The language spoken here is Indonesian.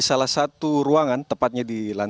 setelah ad menculikan